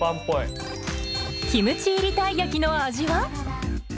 キムチ入りたい焼きの味は？